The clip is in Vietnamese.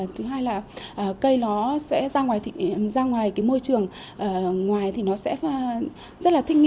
thứ hai là cây nó sẽ ra ngoài môi trường ngoài thì nó sẽ rất là thích nghi